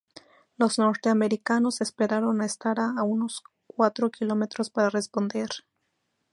Los norteamericanos esperaron a estar a unos cuatro kilómetros para responder.